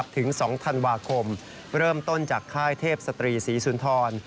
ถึง๒ธันวาคมเริ่มต้นจากค่ายเทพศตรีศรีสุนทร